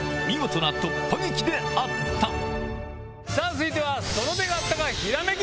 続いては。